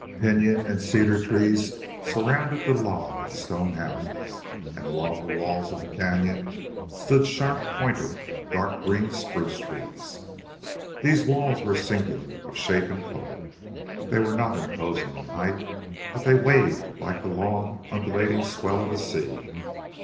Piñon and cedar trees surrounded the little log and stone houses, and along the walls of the cañon stood sharp pointed, dark green spruce trees. These walls were singular of shape and color. They were not imposing in height, but they waved like the long, undulating swell of a sea.